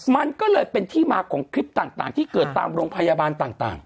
มันก็เลยเป็นที่มาของคลิปต่างที่เกิดตามโรงพยาบาลต่าง